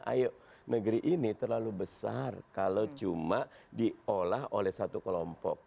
ayo negeri ini terlalu besar kalau cuma diolah oleh satu kelompok